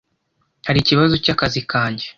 Hari ikibazo cyakazi kanjye?